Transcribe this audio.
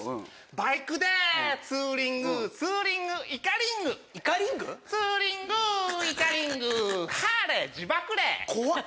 バイクでツーリングツーリングイカリングイカリング？ツーリングイカリングハーレー地縛霊怖っ。